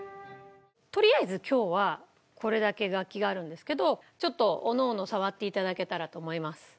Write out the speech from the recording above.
とりあえず今日はこれだけ楽器があるんですけどちょっとおのおの触って頂けたらと思います。